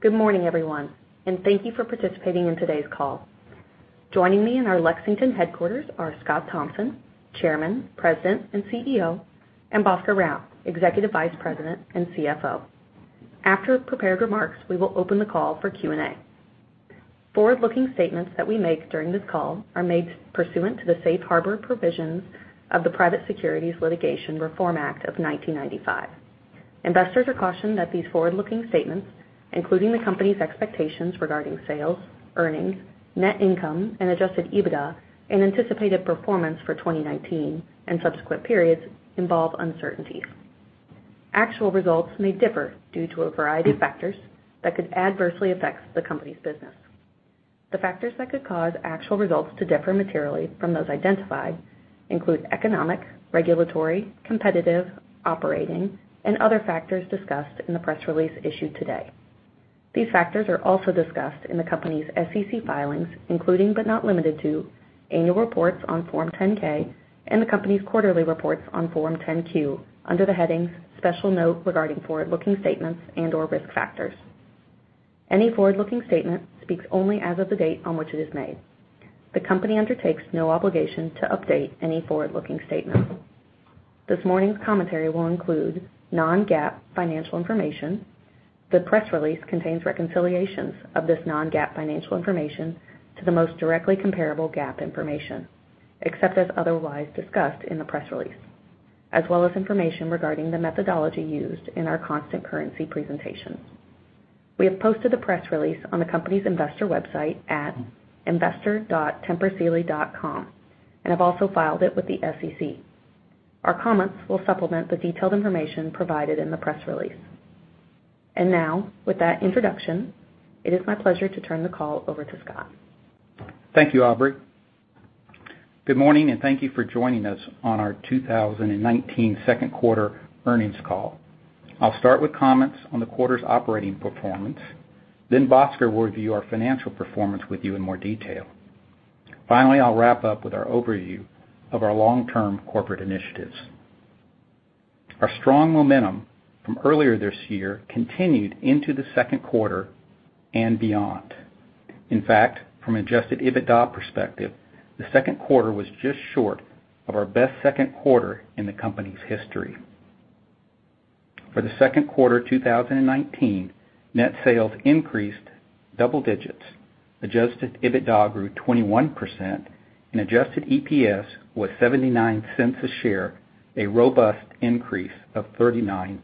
Good morning, everyone, and thank you for participating in today's call. Joining me in our Lexington headquarters are Scott Thompson, Chairman, President, and CEO, and Bhaskar Rao, Executive Vice President and CFO. After prepared remarks, we will open the call for Q&A. Forward-looking statements that we make during this call are made pursuant to the safe harbor provisions of the Private Securities Litigation Reform Act of 1995. Investors are cautioned that these forward-looking statements, including the company's expectations regarding sales, earnings, net income, and Adjusted EBITDA, and anticipated performance for 2019 and subsequent periods involve uncertainties. Actual results may differ due to a variety of factors that could adversely affect the company's business. The factors that could cause actual results to differ materially from those identified include economic, regulatory, competitive, operating, and other factors discussed in the press release issued today. These factors are also discussed in the company's SEC filings, including but not limited to annual reports on Form 10-K and the company's quarterly reports on Form 10-Q under the headings "Special Note Regarding Forward-Looking Statements" and/or "Risk Factors." Any forward-looking statement speaks only as of the date on which it is made. The company undertakes no obligation to update any forward-looking statement. This morning's commentary will include non-GAAP financial information. The press release contains reconciliations of this non-GAAP financial information to the most directly comparable GAAP information, except as otherwise discussed in the press release, as well as information regarding the methodology used in our constant currency presentations. We have posted the press release on the company's investor website at investor.tempursealy.com and have also filed it with the SEC. Our comments will supplement the detailed information provided in the press release. Now, with that introduction, it is my pleasure to turn the call over to Scott. Thank you, Aubrey. Good morning. Thank you for joining us on our 2019 second quarter earnings call. I'll start with comments on the quarter's operating performance, then Bhaskar will review our financial performance with you in more detail. Finally, I'll wrap up with our overview of our long-term corporate initiatives. Our strong momentum from earlier this year continued into the second quarter and beyond. In fact, from an Adjusted EBITDA perspective, the second quarter was just short of our best second quarter in the company's history. For the second quarter 2019, net sales increased double digits. Adjusted EBITDA grew 21% and Adjusted EPS was $0.79 a share, a robust increase of 39%.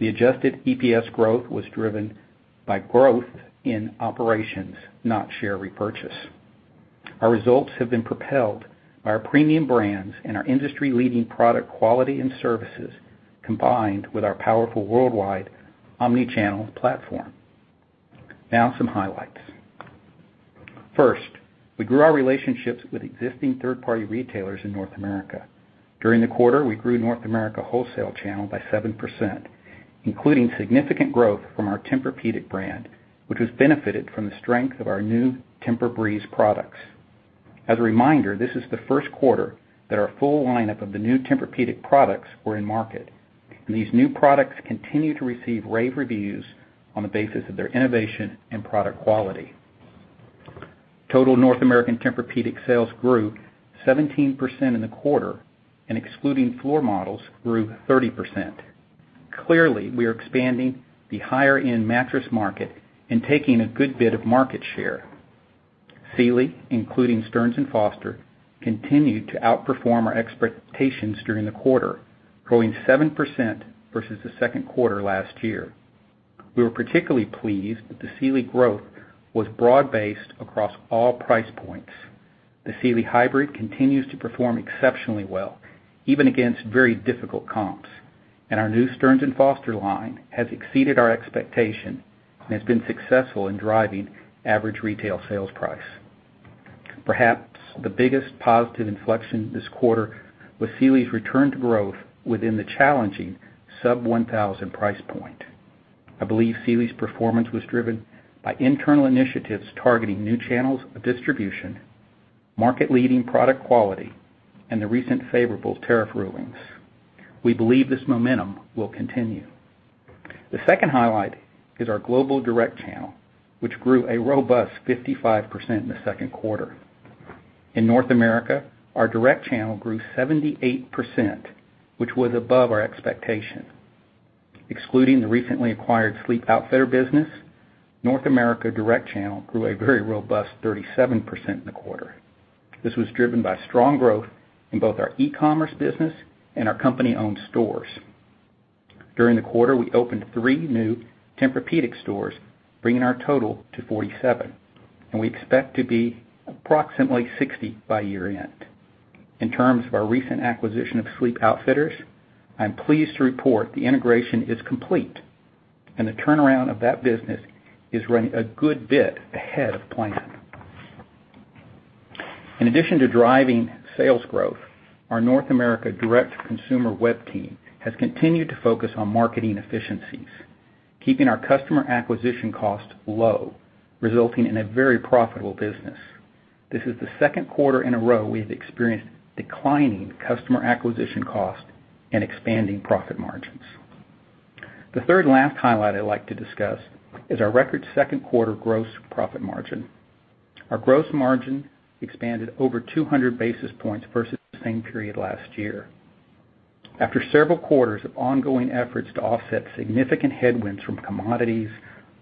The adjusted EPS growth was driven by growth in operations, not share repurchase. Our results have been propelled by our premium brands and our industry-leading product quality and services, combined with our powerful worldwide omni-channel platform. Now some highlights. First, we grew our relationships with existing third-party retailers in North America. During the quarter, we grew North America wholesale channel by 7%, including significant growth from our Tempur-Pedic brand, which has benefited from the strength of our new TEMPUR-breeze products. As a reminder, this is the first quarter that our full lineup of the new Tempur-Pedic products were in market. These new products continue to receive rave reviews on the basis of their innovation and product quality. Total North American Tempur-Pedic sales grew 17% in the quarter and excluding floor models grew 30%. Clearly, we are expanding the higher-end mattress market and taking a good bit of market share. Sealy, including Stearns & Foster, continued to outperform our expectations during the quarter, growing 7% versus the second quarter last year. We were particularly pleased that the Sealy growth was broad-based across all price points. The Sealy Hybrid continues to perform exceptionally well, even against very difficult comps, and our new Stearns & Foster line has exceeded our expectation and has been successful in driving average retail sales price. Perhaps the biggest positive inflection this quarter was Sealy's return to growth within the challenging sub-$1,000 price point. I believe Sealy's performance was driven by internal initiatives targeting new channels of distribution, market-leading product quality, and the recent favorable tariff rulings. We believe this momentum will continue. The second highlight is our global direct channel, which grew a robust 55% in the second quarter. In North America, our direct channel grew 78%, which was above our expectation. Excluding the recently acquired Sleep Outfitters business, North America direct channel grew a very robust 37% in the quarter. This was driven by strong growth in both our e-commerce business and our company-owned stores. During the quarter, we opened three new Tempur-Pedic stores, bringing our total to 47, and we expect to be approximately 60 by year-end. In terms of our recent acquisition of Sleep Outfitters, I'm pleased to report the integration is complete and the turnaround of that business is running a good bit ahead of plan. In addition to driving sales growth, our North America direct consumer web team has continued to focus on marketing efficiencies, keeping our customer acquisition cost low, resulting in a very profitable business. This is the second quarter in a row we have experienced declining customer acquisition costs and expanding profit margins. The third and last highlight I'd like to discuss is our record second quarter gross profit margin. Our gross margin expanded over 200 basis points versus the same period last year. After several quarters of ongoing efforts to offset significant headwinds from commodities,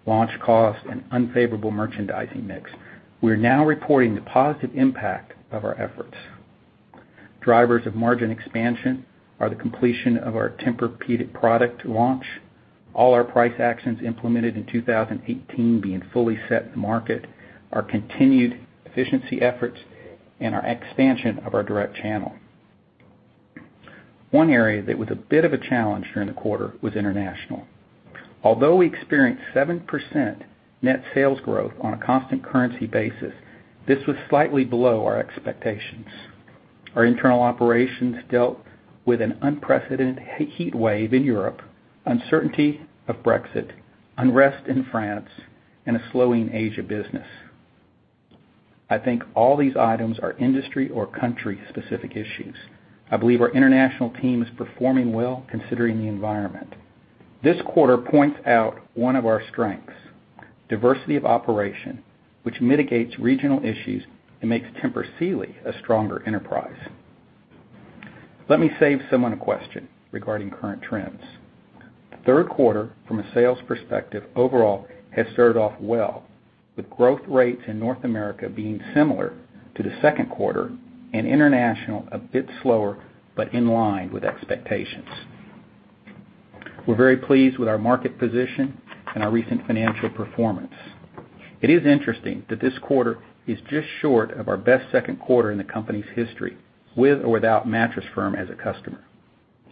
launch costs, and unfavorable merchandising mix, we are now reporting the positive impact of our efforts. Drivers of margin expansion are the completion of our Tempur-Pedic product launch, all our price actions implemented in 2018 being fully set in the market, our continued efficiency efforts, and our expansion of our direct channel. One area that was a bit of a challenge during the quarter was international. Although we experienced 7% net sales growth on a constant currency basis, this was slightly below our expectations. Our internal operations dealt with an unprecedented heat wave in Europe, uncertainty of Brexit, unrest in France, and a slowing Asia business. I think all these items are industry or country-specific issues. I believe our international team is performing well considering the environment. This quarter points out one of our strengths, diversity of operation, which mitigates regional issues and makes Tempur Sealy a stronger enterprise. Let me save someone a question regarding current trends. The third quarter from a sales perspective overall has started off well, with growth rates in North America being similar to the second quarter and international a bit slower but in line with expectations. We're very pleased with our market position and our recent financial performance. It is interesting that this second quarter is just short of our best second quarter in the company's history, with or without Mattress Firm as a customer.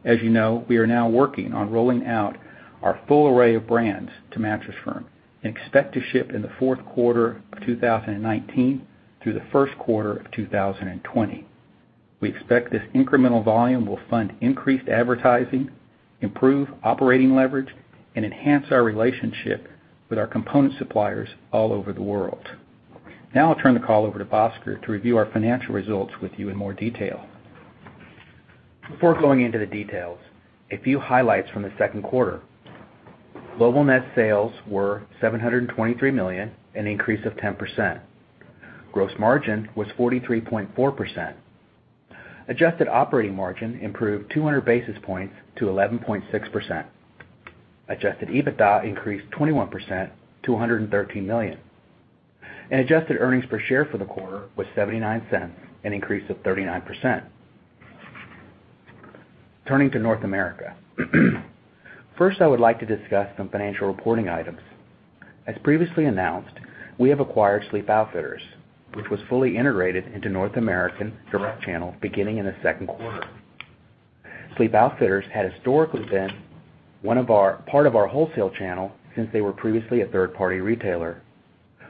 As you know, we are now working on rolling out our full array of brands to Mattress Firm and expect to ship in the fourth quarter of 2019 through the first quarter of 2020. We expect this incremental volume will fund increased advertising, improve operating leverage, and enhance our relationship with our component suppliers all over the world. Now, I'll turn the call over to Bhaskar to review our financial results with you in more detail. Before going into the details, a few highlights from the second quarter. Global net sales were $723 million, an increase of 10%. Gross margin was 43.4%. Adjusted operating margin improved 200 basis points to 11.6%. Adjusted EBITDA increased 21% to $113 million. Adjusted earnings per share for the quarter was $0.79, an increase of 39%. Turning to North America. First, I would like to discuss some financial reporting items. As previously announced, we have acquired Sleep Outfitters, which was fully integrated into North American direct channel beginning in the second quarter. Sleep Outfitters had historically been part of our wholesale channel since they were previously a third-party retailer.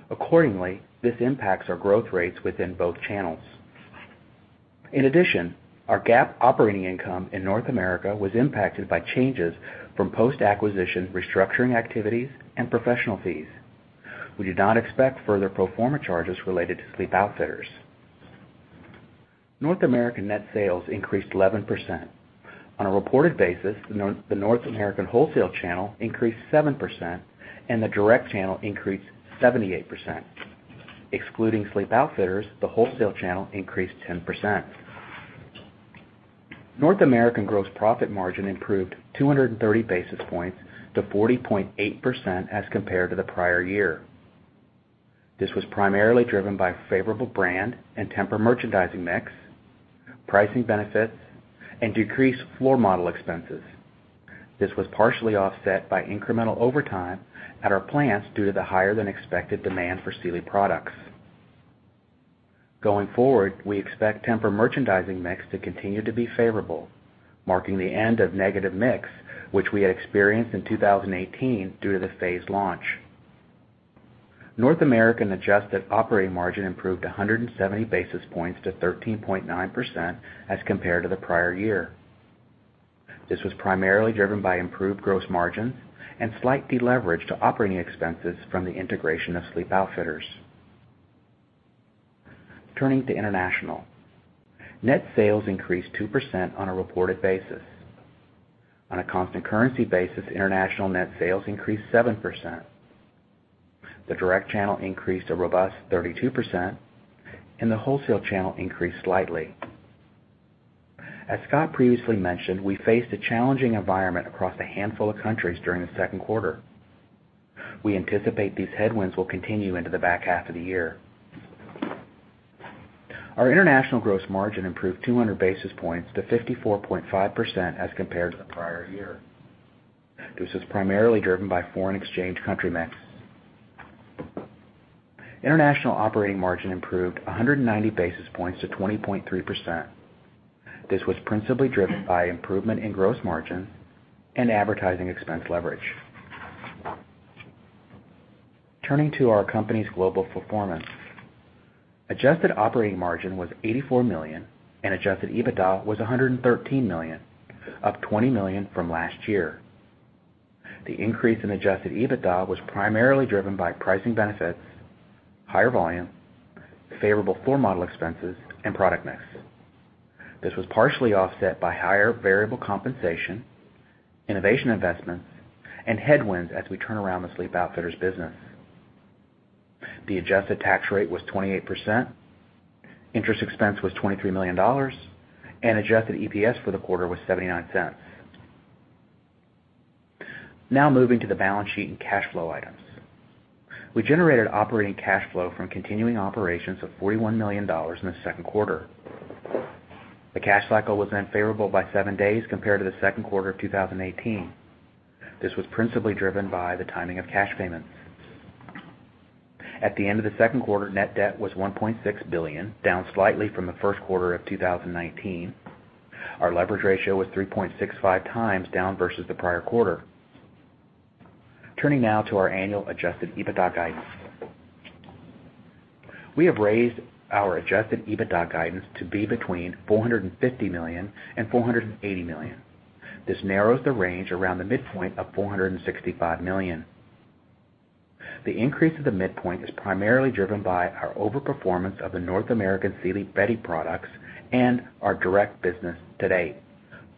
Accordingly, this impacts our growth rates within both channels. In addition, our GAAP operating income in North America was impacted by changes from post-acquisition restructuring activities and professional fees. We do not expect further pro forma charges related to Sleep Outfitters. North American net sales increased 11%. On a reported basis, the North American wholesale channel increased 7% and the direct channel increased 78%. Excluding Sleep Outfitters, the wholesale channel increased 10%. North American gross profit margin improved 230 basis points to 40.8% as compared to the prior year. This was primarily driven by favorable brand and Tempur merchandising mix, pricing benefits, and decreased floor model expenses. This was partially offset by incremental overtime at our plants due to the higher-than-expected demand for Sealy products. Going forward, we expect Tempur merchandising mix to continue to be favorable, marking the end of negative mix which we had experienced in 2018 due to the phased launch. North American adjusted operating margin improved 170 basis points to 13.9% as compared to the prior year. This was primarily driven by improved gross margin and slight deleverage to operating expenses from the integration of Sleep Outfitters. Turning to international. Net sales increased 2% on a reported basis. On a constant currency basis, international net sales increased 7%. The direct channel increased a robust 32% and the wholesale channel increased slightly. As Scott previously mentioned, we faced a challenging environment across a handful of countries during the second quarter. We anticipate these headwinds will continue into the back half of the year. Our international gross margin improved 200 basis points to 54.5% as compared to the prior year. This was primarily driven by foreign exchange country mix. International operating margin improved 190 basis points to 20.3%. This was principally driven by improvement in gross margin and advertising expense leverage. Turning to our company's global performance. Adjusted operating margin was $84 million and Adjusted EBITDA was $113 million, up $20 million from last year. The increase in Adjusted EBITDA was primarily driven by pricing benefits, higher volume, favorable floor model expenses, and product mix. This was partially offset by higher variable compensation, innovation investments, and headwinds as we turn around the Sleep Outfitters business. The adjusted tax rate was 28%, interest expense was $23 million, and adjusted EPS for the quarter was $0.79. Now moving to the balance sheet and cash flow items. We generated operating cash flow from continuing operations of $41 million in the second quarter. The cash cycle was then favorable by seven days compared to the second quarter of 2018. This was principally driven by the timing of cash payments. At the end of the second quarter, net debt was $1.6 billion, down slightly from the first quarter of 2019. Our leverage ratio was 3.65x down versus the prior quarter. Turning now to our annual adjusted EBITDA guidance. We have raised our Adjusted EBITDA guidance to be between $450 million and $480 million. This narrows the range around the midpoint of $465 million. The increase of the midpoint is primarily driven by our overperformance of the North American Sealy bedding products and our direct business to date.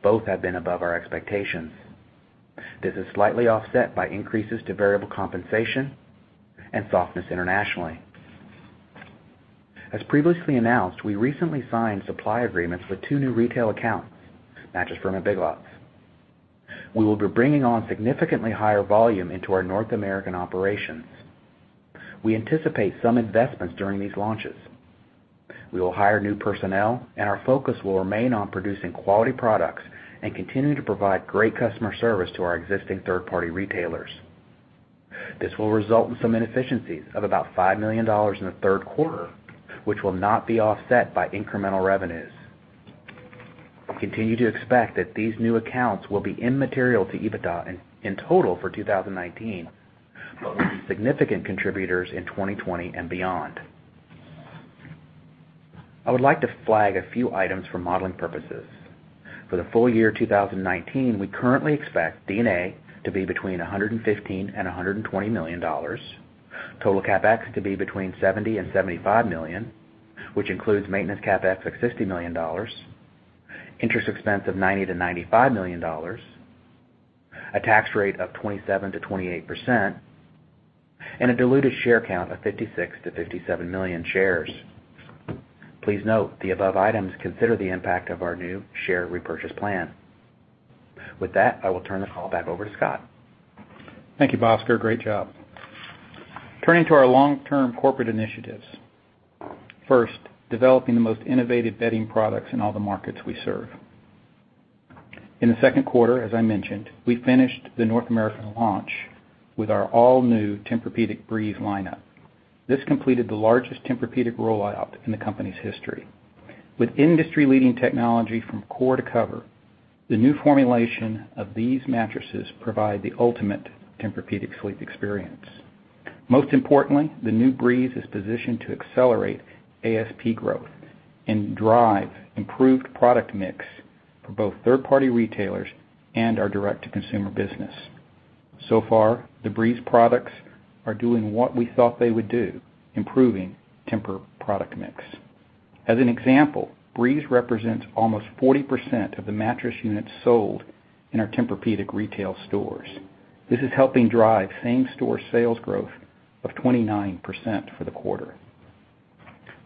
Both have been above our expectations. This is slightly offset by increases to variable compensation and softness internationally. As previously announced, we recently signed supply agreements with two new retail accounts, Mattress Firm and Big Lots. We will be bringing on significantly higher volume into our North American operations. We anticipate some investments during these launches. We will hire new personnel, and our focus will remain on producing quality products and continuing to provide great customer service to our existing third-party retailers. This will result in some inefficiencies of about $5 million in the third quarter, which will not be offset by incremental revenues. We continue to expect that these new accounts will be immaterial to EBITDA in total for 2019, but will be significant contributors in 2020 and beyond. I would like to flag a few items for modeling purposes. For the full year 2019, we currently expect D&A to be between $115 million and $120 million, total CapEx to be between $70 million and $75 million, which includes maintenance CapEx of $60 million, interest expense of $90 million-$95 million, a tax rate of 27%-28%, and a diluted share count of 56 million-57 million shares. Please note the above items consider the impact of our new share repurchase plan. With that, I will turn the call back over to Scott. Thank you, Bhaskar. Great job. Turning to our long-term corporate initiatives. First, developing the most innovative bedding products in all the markets we serve. In the second quarter, as I mentioned, we finished the North American launch with our all-new Tempur-Pedic breeze lineup. This completed the largest Tempur-Pedic rollout in the company's history. With industry-leading technology from core to cover, the new formulation of these mattresses provide the ultimate Tempur-Pedic sleep experience. Most importantly, the new breeze is positioned to accelerate ASP growth and drive improved product mix for both third-party retailers and our direct-to-consumer business. Far, the breeze products are doing what we thought they would do, improving Tempur product mix. As an example, breeze represents almost 40% of the mattress units sold in our Tempur-Pedic retail stores. This is helping drive same-store sales growth of 29% for the quarter.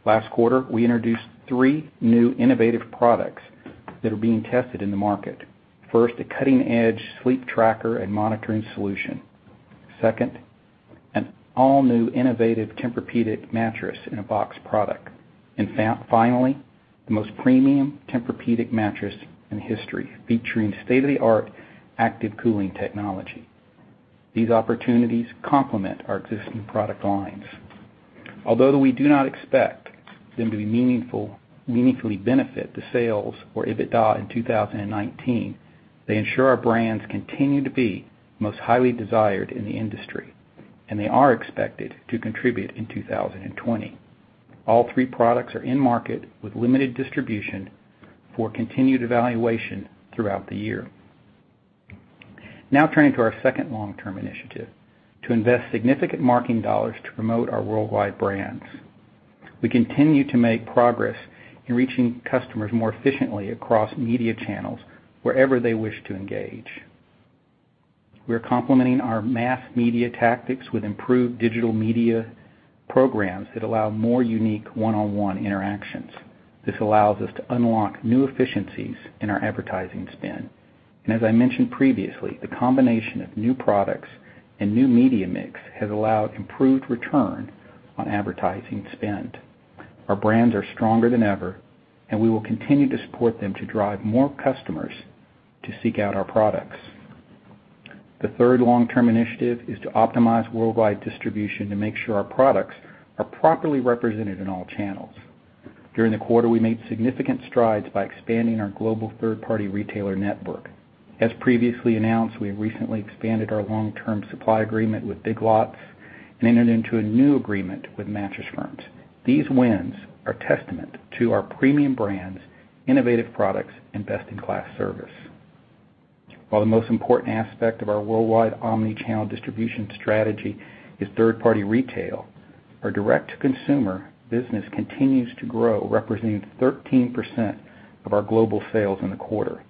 Last quarter, we introduced three new innovative products that are being tested in the market. First, a cutting-edge sleep tracker and monitoring solution. Second, an all-new innovative Tempur-Pedic mattress in a box product. Finally, the most premium Tempur-Pedic mattress in history, featuring state-of-the-art active cooling technology. These opportunities complement our existing product lines. Although we do not expect them to be meaningfully benefit the sales or EBITDA in 2019, they ensure our brands continue to be most highly desired in the industry, and they are expected to contribute in 2020. All three products are in market with limited distribution for continued evaluation throughout the year. Now turning to our second long-term initiative, to invest significant marketing dollars to promote our worldwide brands. We continue to make progress in reaching customers more efficiently across media channels wherever they wish to engage. We are complementing our mass media tactics with improved digital media programs that allow more unique one-on-one interactions. This allows us to unlock new efficiencies in our advertising spend. As I mentioned previously, the combination of new products and new media mix has allowed improved return on advertising spend. Our brands are stronger than ever, and we will continue to support them to drive more customers to seek out our products. The third long-term initiative is to optimize worldwide distribution to make sure our products are properly represented in all channels. During the quarter, we made significant strides by expanding our global third-party retailer network. As previously announced, we have recently expanded our long-term supply agreement with Big Lots and entered into a new agreement with Mattress Firm. These wins are testament to our premium brands, innovative products, and best-in-class service. While the most important aspect of our worldwide omni-channel distribution strategy is third-party retail, our direct-to-consumer business continues to grow, representing 13% of our global sales in the quarter.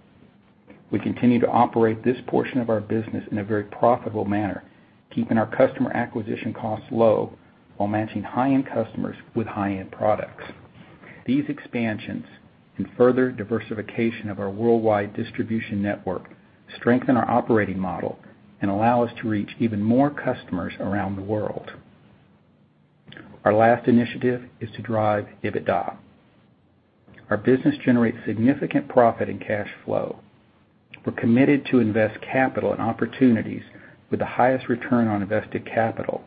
We continue to operate this portion of our business in a very profitable manner, keeping our customer acquisition costs low while matching high-end customers with high-end products. These expansions and further diversification of our worldwide distribution network strengthen our operating model and allow us to reach even more customers around the world. Our last initiative is to drive EBITDA. Our business generates significant profit and cash flow. We're committed to invest capital and opportunities with the highest return on invested capital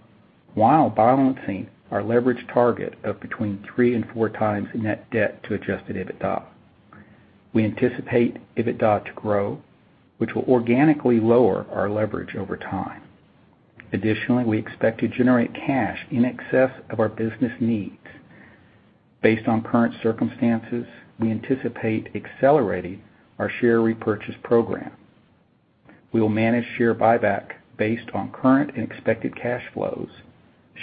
while balancing our leverage target of between 3x and 4x net debt to Adjusted EBITDA. We anticipate EBITDA to grow, which will organically lower our leverage over time. We expect to generate cash in excess of our business needs. Based on current circumstances, we anticipate accelerating our share repurchase program. We will manage share buyback based on current and expected cash flows,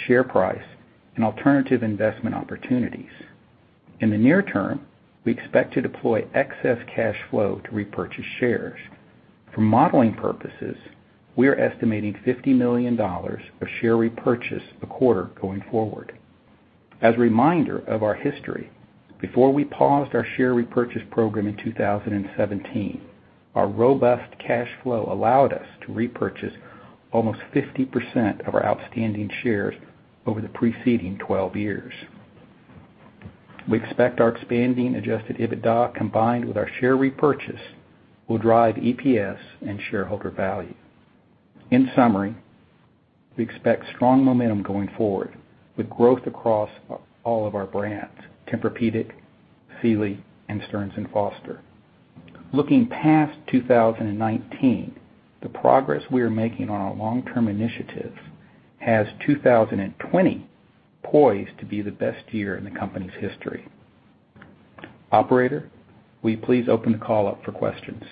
share price, and alternative investment opportunities. In the near term, we expect to deploy excess cash flow to repurchase shares. For modeling purposes, we are estimating $50 million of share repurchase a quarter going forward. As a reminder of our history, before we paused our share repurchase program in 2017, our robust cash flow allowed us to repurchase almost 50% of our outstanding shares over the preceding 12 years. We expect our expanding Adjusted EBITDA, combined with our share repurchase, will drive EPS and shareholder value. In summary, we expect strong momentum going forward with growth across all of our brands, Tempur-Pedic, Sealy, and Stearns & Foster. Looking past 2019, the progress we are making on our long-term initiatives has 2020 poised to be the best year in the company's history. Operator, will you please open the call up for questions?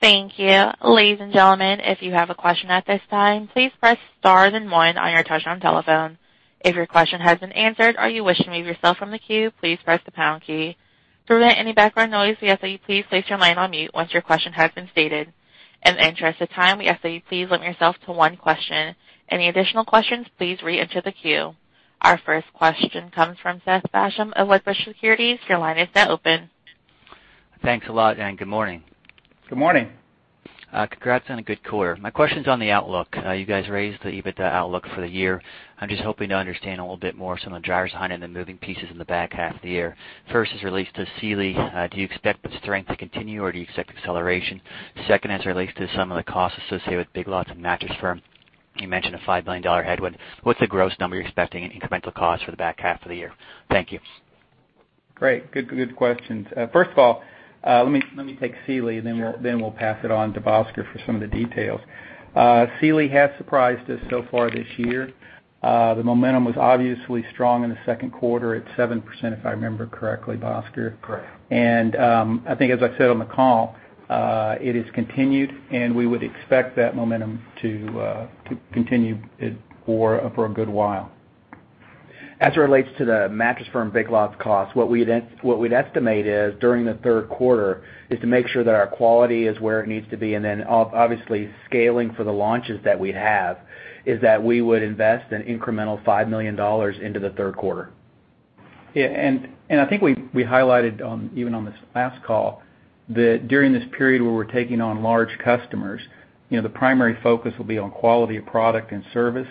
Thank you. Ladies and gentlemen, if you have a question at this time, please press star then one on your touch-tone telephone. If your question has been answered or you wish to remove yourself from the queue, please press pound key. To prevent any background noise, we ask that you please place your line on mute once your question has been stated. And at this time, we ask that you please limit yourself to one question. For any additional question, please re-enter the queue. Our first question comes from Seth Basham of Wedbush Securities. Your line is now open. Thanks a lot, and good morning. Good morning. Congrats on a good quarter. My question's on the outlook. You guys raised the EBITDA outlook for the year. I'm just hoping to understand a little bit more some of the drivers behind it and the moving pieces in the back half of the year. First, as it relates to Sealy, do you expect the strength to continue, or do you expect acceleration? Second, as it relates to some of the costs associated with Big Lots and Mattress Firm, you mentioned a $5 million headwind. What's the gross number you're expecting in incremental cost for the back half of the year? Thank you. Great. Good, good questions. First of all, let me take Sealy. Sure We'll pass it on to Bhaskar for some of the details. Sealy has surprised us so far this year. The momentum was obviously strong in the second quarter at 7%, if I remember correctly, Bhaskar. Correct. I think as I said on the call, it has continued, and we would expect that momentum to continue it for a good while. As it relates to the Mattress Firm/Big Lots cost, what we'd estimate is during the third quarter is to make sure that our quality is where it needs to be, and then obviously scaling for the launches that we have, is that we would invest an incremental $5 million into the third quarter. Yeah, I think we highlighted on this last call that during this period where we're taking on large customers, you know, the primary focus will be on quality of product and service,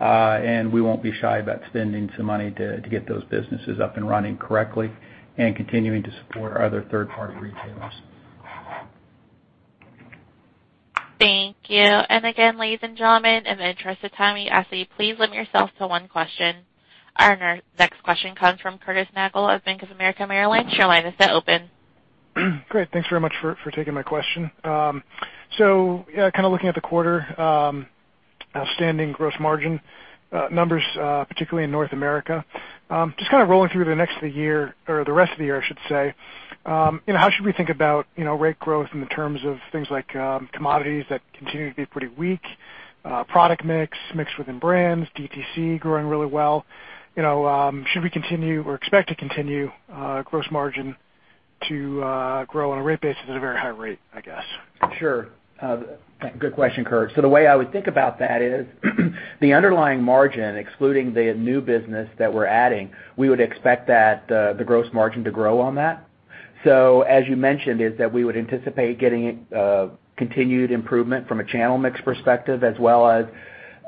and we won't be shy about spending some money to get those businesses up and running correctly and continuing to support our other third-party retailers. Thank you. Again, ladies and gentlemen, in the interest of time, we ask that you please limit yourself to one question. Our next question comes from Curtis Nagle of Bank of America Merrill Lynch. Your line is now open. Great. Thanks very much for taking my question. Kind of looking at the quarter, outstanding gross margin numbers, particularly in North America. Just kind of rolling through the next of the year or the rest of the year, I should say, you know, how should we think about, you know, rate growth in the terms of things like commodities that continue to be pretty weak, product mix within brands, DTC growing really well. You know, should we continue or expect to continue gross margin to grow on a rate basis at a very high rate, I guess? Sure. Good question, Curt. The way I would think about that is, the underlying margin, excluding the new business that we're adding, we would expect that the gross margin to grow on that. As you mentioned, is that we would anticipate getting continued improvement from a channel mix perspective, as well as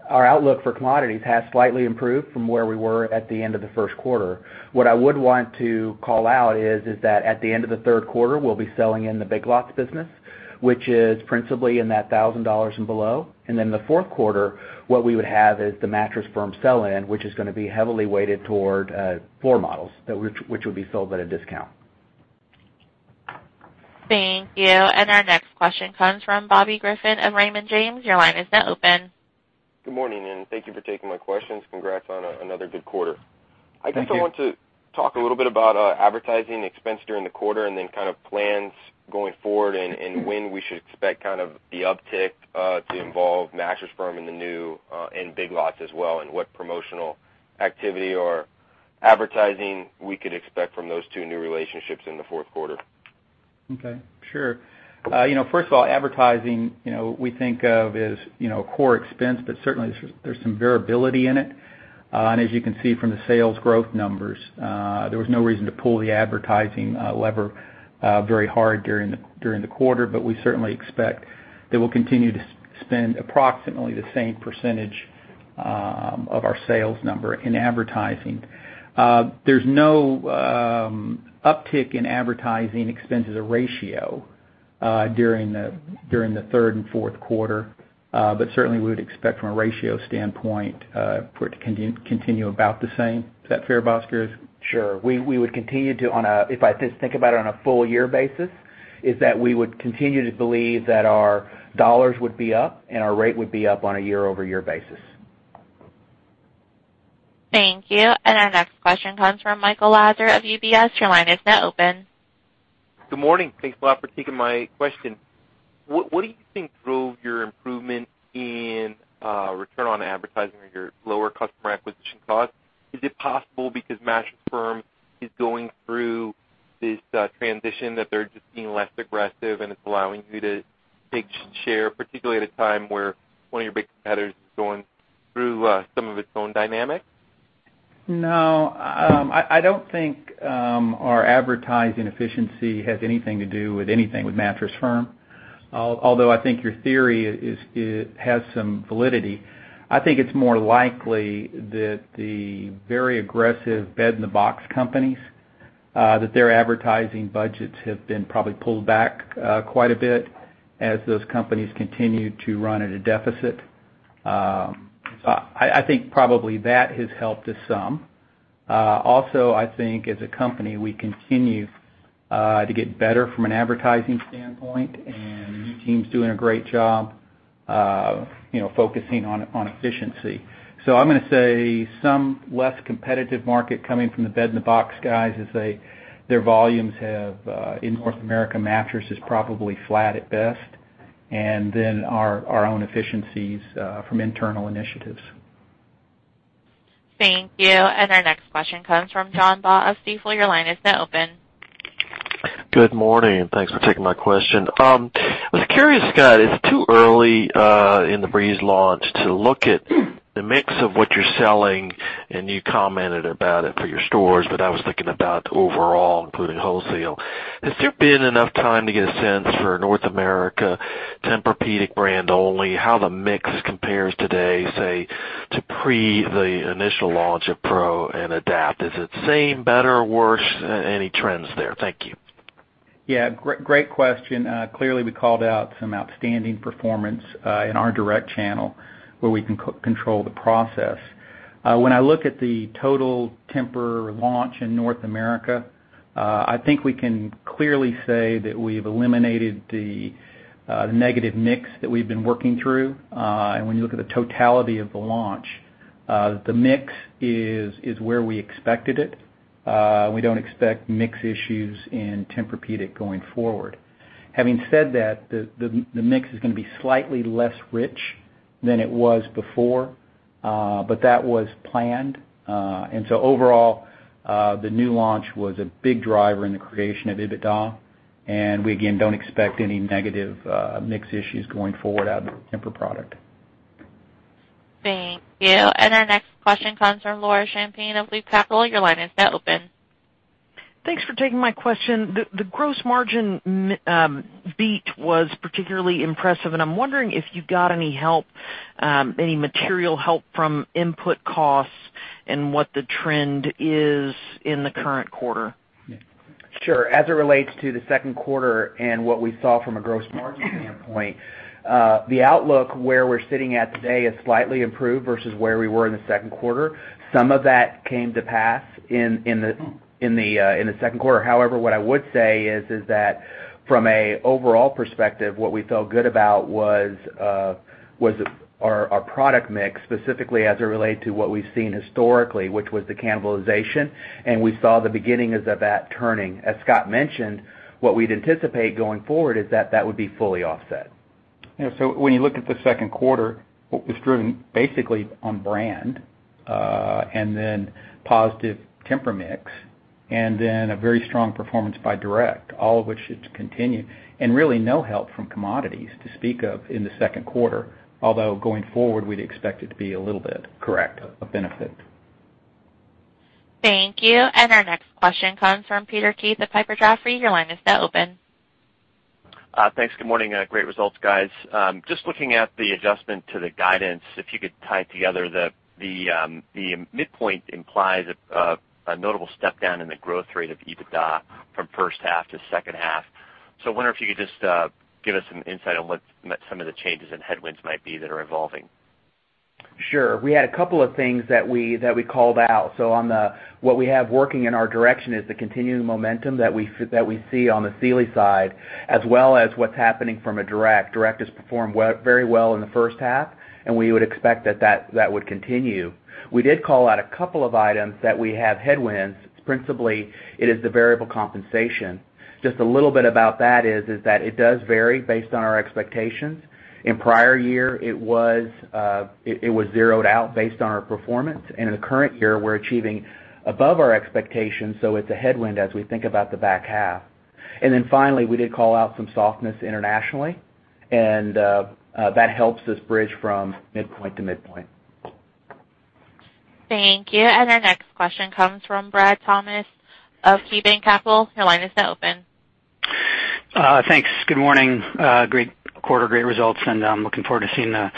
our outlook for commodities has slightly improved from where we were at the end of the first quarter. What I would want to call out is that at the end of the third quarter, we'll be selling in the Big Lots business, which is principally in that $1,000 and below. Then the fourth quarter, what we would have is the Mattress Firm sell-in, which is gonna be heavily weighted toward floor models that which would be sold at a discount. Thank you. Our next question comes from Bobby Griffin of Raymond James. Your line is now open. Good morning, and thank you for taking my questions. Congrats on another good quarter. Thank you. I guess I want to talk a little bit about advertising expense during the quarter and then kind of plans going forward and when we should expect kind of the uptick to involve Mattress Firm in the new and Big Lots as well, and what promotional activity or advertising we could expect from those two new relationships in the fourth quarter? Okay. Sure. You know, first of all, advertising, you know, we think of as, you know, a core expense, but certainly there's some variability in it. As you can see from the sales growth numbers, there was no reason to pull the advertising lever very hard during the during the quarter, but we certainly expect that we'll continue to spend approximately the same percentage of our sales number in advertising. There's no uptick in advertising expense as a ratio during the during the third and fourth quarter, but certainly we would expect from a ratio standpoint for it to continue about the same. Is that fair, Bhaskar Rao? Sure. We would continue to if I just think about it on a full year basis, is that we would continue to believe that our dollars would be up and our rate would be up on a year-over-year basis. Thank you. Our next question comes from Michael Lasser of UBS. Your line is now open. Good morning. Thanks a lot for taking my question. What do you think drove your improvement in return on advertising or your lower customer acquisition cost? Is it possible because Mattress Firm is going through this transition that they're just being less aggressive and it's allowing you to take share, particularly at a time where one of your big competitors is going through some of its own dynamics? No, I don't think our advertising efficiency has anything to do with anything with Mattress Firm, although I think your theory is has some validity. I think it's more likely that the very aggressive bed-in-a-box companies, that their advertising budgets have been probably pulled back quite a bit as those companies continue to run at a deficit. I think probably that has helped us some. Also, I think as a company, we continue to get better from an advertising standpoint, and the team's doing a great job, you know, focusing on efficiency. I'm gonna say some less competitive market coming from the bed-in-a-box guys as their volumes have in North America mattress is probably flat at best, and then our own efficiencies from internal initiatives. Thank you. Our next question comes from John Baugh of Stifel. Your line is now open. Good morning, thanks for taking my question. I was curious, Scott, it's too early in the Breeze launch to look at the mix of what you're selling, and you commented about it for your stores, but I was thinking about overall, including wholesale. Has there been enough time to get a sense for North America Tempur-Pedic brand only, how the mix compares today, say, to pre the initial launch of ProAdapt? Is it same, better, worse? Any trends there? Thank you. Yeah. Great question. Clearly we called out some outstanding performance in our direct channel where we can control the process. When I look at the total Tempur launch in North America, I think we can clearly say that we've eliminated the negative mix that we've been working through. When you look at the totality of the launch, the mix is where we expected it. We don't expect mix issues in Tempur-Pedic going forward. Having said that, the mix is gonna be slightly less rich than it was before, that was planned. Overall, the new launch was a big driver in the creation of EBITDA, we again don't expect any negative mix issues going forward out of the Tempur product. Thank you. Our next question comes from Laura Champine of Loop Capital. Your line is now open. Thanks for taking my question. The gross margin beat was particularly impressive, and I'm wondering if you got any help, any material help from input costs and what the trend is in the current quarter. Sure. As it relates to the second quarter and what we saw from a gross margin standpoint, the outlook where we're sitting at today is slightly improved versus where we were in the second quarter. Some of that came to pass in the second quarter. What I would say is that from an overall perspective, what we felt good about was our product mix, specifically as it related to what we've seen historically, which was the cannibalization, and we saw the beginnings of that turning. Scott mentioned, what we'd anticipate going forward is that that would be fully offset. Yeah. When you look at the second quarter, what was driven basically on brand, and then positive Tempur mix and then a very strong performance by direct, all of which should continue and really no help from commodities to speak of in the second quarter. Although going forward, we'd expect it to be a little bit, correct, a benefit. Thank you. Our next question comes from Peter Keith at Piper Jaffray. Your line is now open. Thanks. Good morning. Great results, guys. Just looking at the adjustment to the guidance, if you could tie together the midpoint implies a notable step down in the growth rate of EBITDA from first half to second half. I wonder if you could just give us some insight on what some of the changes and headwinds might be that are evolving. Sure. We had a couple of things that we called out. On the what we have working in our direction is the continuing momentum that we see on the Sealy side, as well as what's happening from a direct. Direct has performed very well in the first half, we would expect that would continue. We did call out a couple of items that we have headwinds. Principally, it is the variable compensation. Just a little bit about that is that it does vary based on our expectations. In prior year, it was zeroed out based on our performance. In the current year, we're achieving above our expectations, it's a headwind as we think about the back half. Finally, we did call out some softness internationally, and that helps us bridge from midpoint to midpoint. Thank you. Our next question comes from Brad Thomas of KeyBanc Capital. Your line is now open. Thanks. Good morning. Great quarter, great results, and I'm looking forward to seeing the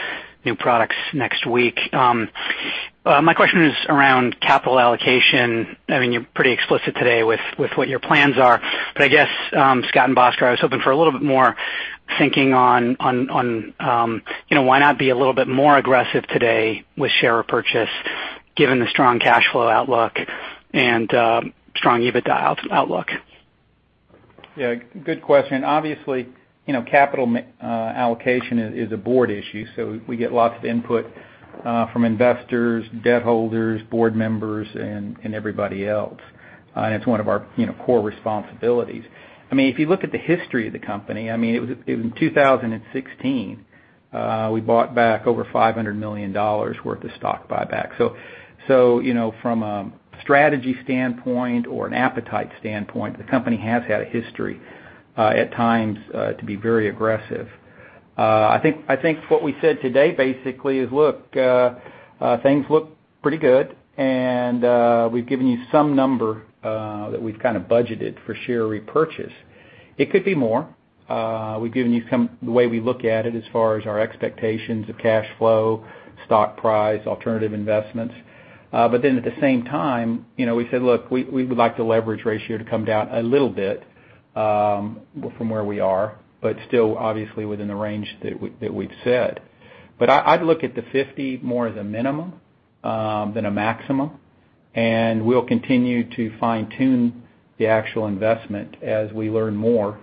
new products next week. My question is around capital allocation. I mean, you're pretty explicit today with what your plans are. I guess, Scott and Bhaskar, I was hoping for a little bit more thinking on, you know, why not be a little bit more aggressive today with share purchase given the strong cash flow outlook and strong EBITDA outlook? Yeah, good question. Obviously, you know, capital allocation is a board issue, so we get lots of input from investors, debt holders, board members, and everybody else. It's one of our, you know, core responsibilities. I mean, if you look at the history of the company, I mean, it was in 2016, we bought back over $500 million worth of stock buyback. You know, from a strategy standpoint or an appetite standpoint, the company has had a history, at times, to be very aggressive. I think what we said today basically is, look, things look pretty good and we've given you some number that we've kind of budgeted for share repurchase. It could be more. We've given you the way we look at it as far as our expectations of cash flow, stock price, alternative investments. At the same time, you know, we said, look, we would like the leverage ratio to come down a little bit from where we are, but still obviously within the range that we've said. I'd look at the 50 more as a minimum than a maximum, and we'll continue to fine-tune the actual investment as we learn more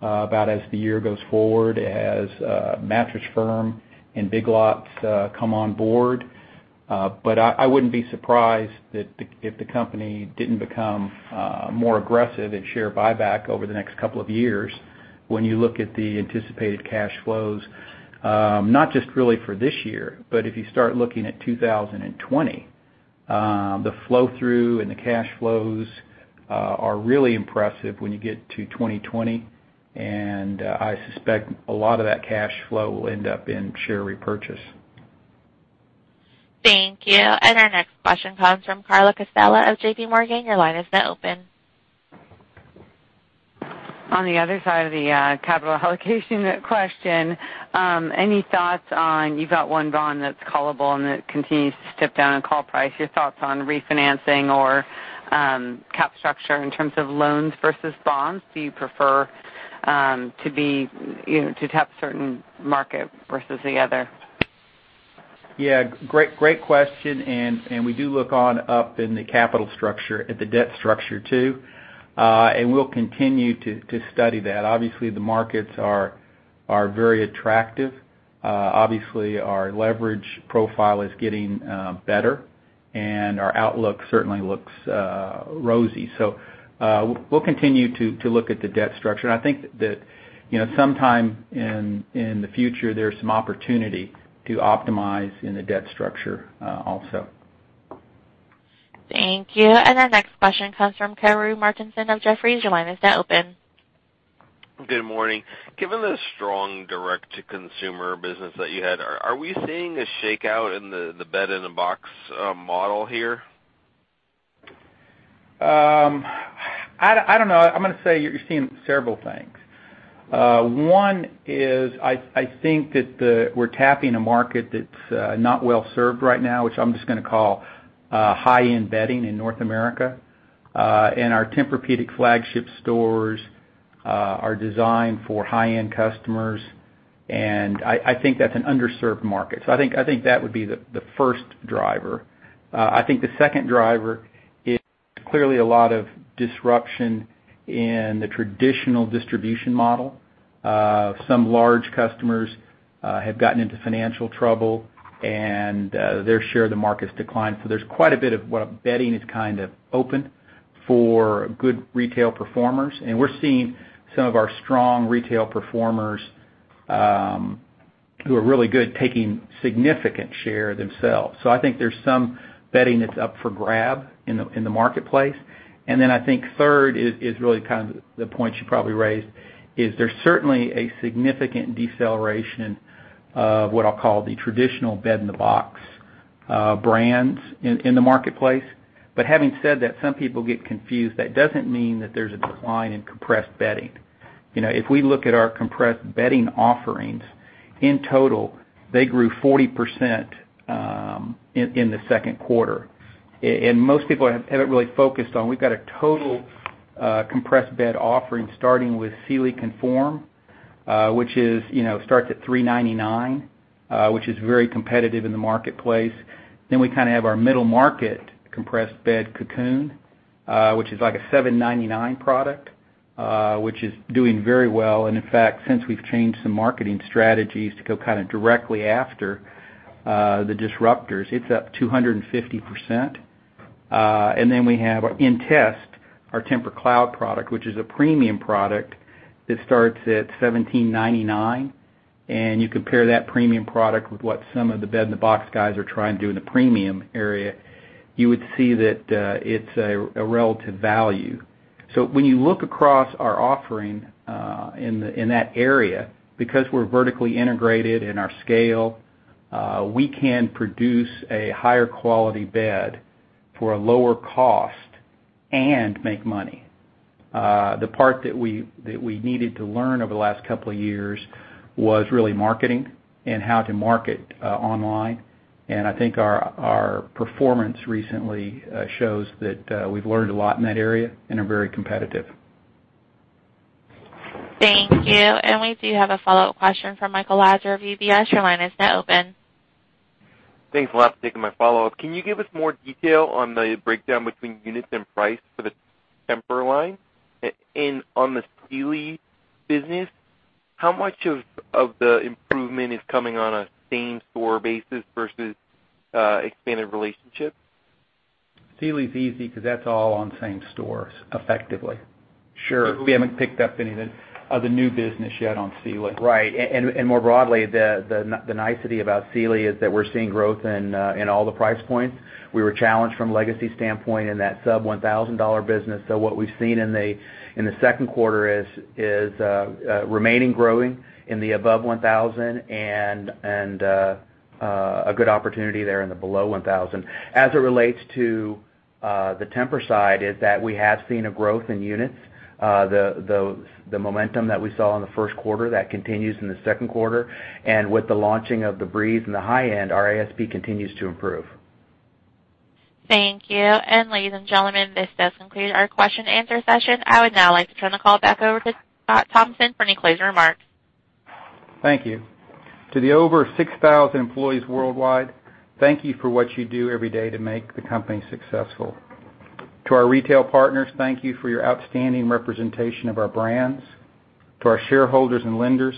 about as the year goes forward, as Mattress Firm and Big Lots come on board. But I wouldn't be surprised if the company didn't become more aggressive in share buyback over the next couple of years when you look at the anticipated cash flows, not just really for this year, but if you start looking at 2020, the flow-through and the cash flows are really impressive when you get to 2020. I suspect a lot of that cash flow will end up in share repurchase. Thank you. Our next question comes from Carla Casella of JPMorgan. Your line is now open. On the other side of the capital allocation question, any thoughts on you've got one bond that's callable and it continues to step down in call price, your thoughts on refinancing or cap structure in terms of loans versus bonds? Do you prefer, you know, to tap certain market versus the other? Yeah, great question, and we do look on up in the capital structure, at the debt structure too. We'll continue to study that. Obviously, the markets are very attractive. Our leverage profile is getting better, and our outlook certainly looks rosy. We'll continue to look at the debt structure, and I think that, you know, sometime in the future, there's some opportunity to optimize in the debt structure, also. Thank you. Our next question comes from Karru Martinson of Jefferies. Your line is now open. Good morning. Given the strong direct-to-consumer business that you had, are we seeing a shakeout in the bed-in-a-box model here? I don't know. I'm gonna say you're seeing several things. One is I think that we're tapping a market that's not well-served right now, which I'm just gonna call high-end bedding in North America. Our Tempur-Pedic flagship stores are designed for high-end customers, and I think that's an underserved market. I think, I think that would be the first driver. I think the second driver is clearly a lot of disruption in the traditional distribution model. Some large customers have gotten into financial trouble and their share of the market's declined. There's quite a bit of what bedding is kind of open for good retail performers. We're seeing some of our strong retail performers, who are really good, taking significant share themselves. I think there's some bedding that's up for grab in the marketplace. Then I think third is really kind of the point you probably raised, is there's certainly a significant deceleration of what I'll call the traditional bed-in-a-box brands in the marketplace. Having said that, some people get confused. That doesn't mean that there's a decline in compressed bedding. You know, if we look at our compressed bedding offerings, in total, they grew 40% in the second quarter. And most people haven't really focused on we've got a total compressed bed offering starting with Sealy Conform, which is, you know, starts at $399, which is very competitive in the marketplace. Then we kinda have our middle market compressed bed Cocoon, which is like a $799 product, which is doing very well. In fact, since we've changed some marketing strategies to go kinda directly after the disruptors, it's up 250%. Then we have in test our TEMPUR-Cloud product, which is a premium product that starts at $1,799. You compare that premium product with what some of the bed-in-a-box guys are trying to do in the premium area, you would see that it's a relative value. When you look across our offering in that area, because we're vertically integrated in our scale, we can produce a higher quality bed for a lower cost and make money. The part that we needed to learn over the last couple of years was really marketing and how to market online. I think our performance recently shows that we've learned a lot in that area and are very competitive. Thank you. We do have a follow-up question from Michael Lasser of UBS. Your line is now open. Thanks a lot. Taking my follow-up. Can you give us more detail on the breakdown between units and price for the Tempur line? On the Sealy business, how much of the improvement is coming on a same store basis versus expanded relationship? Sealy's easy 'cause that's all on same stores effectively. Sure. We haven't picked up any of the new business yet on Sealy. Right. More broadly, the nicety about Sealy is that we're seeing growth in all the price points. We were challenged from a legacy standpoint in that sub $1,000 business. What we've seen in the second quarter is remaining growing in the above $1,000 and a good opportunity there in the below $1,000. As it relates to the Tempur side, is that we have seen a growth in units. The momentum that we saw in the first quarter, that continues in the second quarter. With the launching of the Breeze in the high end, our ASP continues to improve. Thank you. Ladies and gentlemen, this does conclude our question and answer session. I would now like to turn the call back over to Scott Thompson for any closing remarks. Thank you. To the over 6,000 employees worldwide, thank you for what you do every day to make the company successful. To our retail partners, thank you for your outstanding representation of our brands. To our shareholders and lenders,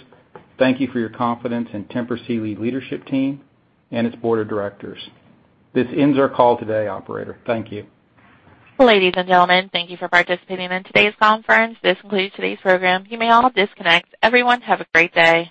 thank you for your confidence in Tempur Sealy leadership team and its Board of Directors. This ends our call today, operator. Thank you. Ladies and gentlemen, thank you for participating in today's conference. This concludes today's program. You may all disconnect. Everyone, have a great day.